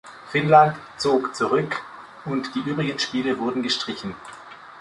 Finnland zog zurück und die übrigen Spiele wurden gestrichen.